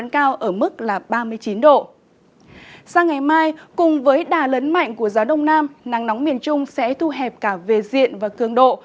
cùng với đà lấn mạnh của gió đông nam nắng nóng miền trung sẽ thu hẹp cả về diện và cường độ